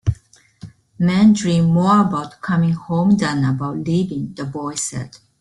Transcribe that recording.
"Men dream more about coming home than about leaving," the boy said.